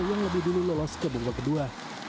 yang lebih dulu lolos kebobak kedua